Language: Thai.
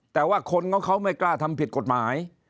แต่ว่าคนของเขาไม่กล้าทำผิดกฎหมาย